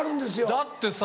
だってさ。